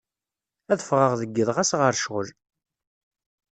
Ad fɣeɣ deg yiḍ ɣas ɣer cɣel.